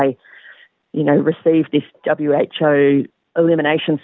di mana mereka mendapatkan status eliminasi who